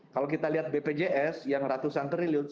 kalau kita lihat bpjs yang ratusan triliun